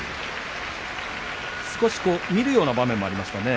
少し見るような場面もありましたね。